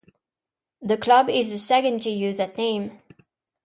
The club is the second to use that name.